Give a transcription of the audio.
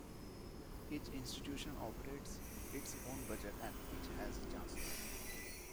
Each institution operates its own budget and each has a chancellor.